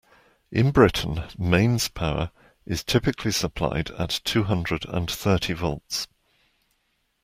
In Britain, mains power is typically supplied at two hundred and thirty volts